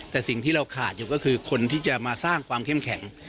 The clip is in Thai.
แต่สิ่งที่เราขาดอยู่ก็คือคนที่จะมาสร้างความเข้มแข็ง